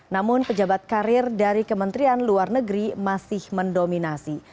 namun pejabat karir dari kementerian luar negeri masih mendominasi